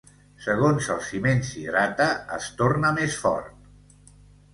Segons el ciment s'hidrata, es torna més fort.